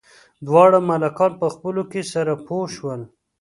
دواړه ملکان په خپلو کې سره پوه شول.